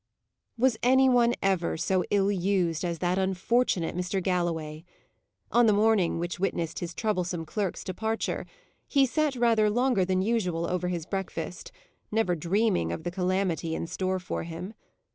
Was any one ever so ill used as that unfortunate Mr. Galloway? On the morning which witnessed his troublesome clerk's departure, he set rather longer than usual over his breakfast, never dreaming of the calamity in store for him.